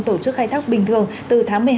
tổ chức khai thác bình thường từ tháng một mươi hai